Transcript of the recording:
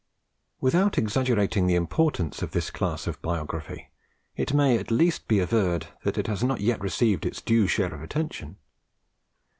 Without exaggerating the importance of this class of biography, it may at least be averred that it has not yet received its due share of attention.